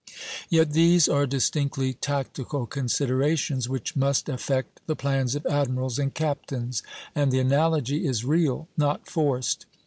Yet these are distinctly tactical considerations, which must affect the plans of admirals and captains; and the analogy is real, not forced.